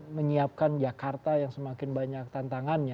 menyiapkan jakarta yang semakin banyak tantangannya